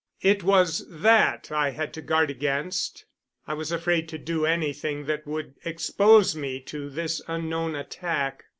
It was that I had to guard against. I was afraid to do anything that would expose me to this unknown attack.